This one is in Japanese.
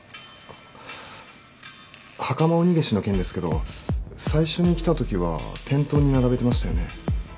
ハカマオニゲシの件ですけど最初に来たときは店頭に並べてましたよね。